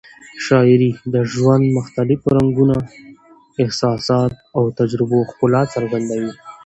شاعري د ژوند مختلفو رنګونو، احساساتو او تجربو ښکلا څرګندوي.